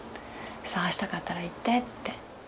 捜したかったら言って」って。